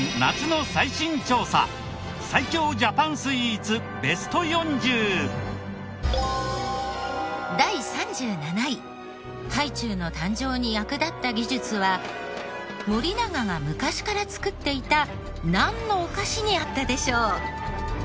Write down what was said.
果たして第３７位ハイチュウの誕生に役立った技術は森永が昔から作っていたなんのお菓子にあったでしょう？